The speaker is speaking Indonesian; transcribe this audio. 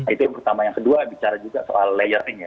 itu yang pertama yang kedua bicara juga soal layering ya